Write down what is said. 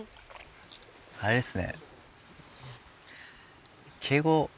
あれですね。